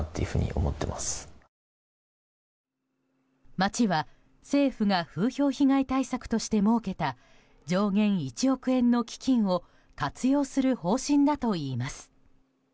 町は、政府が風評被害対策として設けた上限１億円の基金を活用する方針だといいます。